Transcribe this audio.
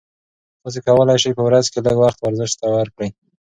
تاسي کولای شئ په ورځ کې لږ وخت ورزش ته ورکړئ.